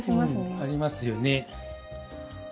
ありますよね。